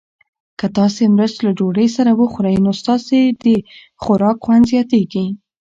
که تاسي مرچ له ډوډۍ سره وخورئ نو ستاسو د خوراک خوند زیاتیږي.